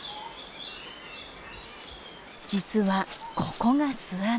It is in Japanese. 実はここが巣穴。